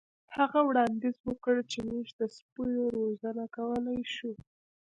هغه وړاندیز وکړ چې موږ د سپیو روزنه کولی شو